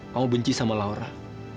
kamu benci sama laura